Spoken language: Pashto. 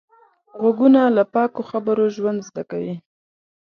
غوږونه له پاکو خبرو ژوند زده کوي